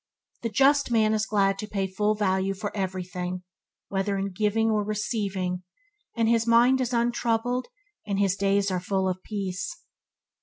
The just man is glad to pay full value for everything, whether in giving or receiving and his mind is untroubled and his days are full of peace.